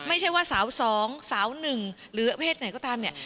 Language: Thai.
ไม่ใช่ว่าสาวสองสาวหนึ่งหรือเพศไหนก็ตามเนี่ย